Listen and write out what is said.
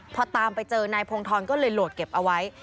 พอตามไปเจอนายพงทรก็โกรธเก็บเอาไว้